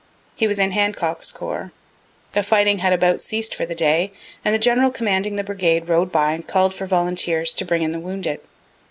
He was in Hancock's corps. The fighting had about ceas'd for the day, and the general commanding the brigade rode by and call'd for volunteers to bring in the wounded.